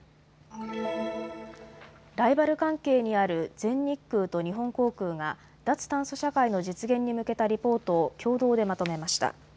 ライバル関係にある全日空と日本航空が脱炭素社会の実現に向けたリポートを共同でまとめました。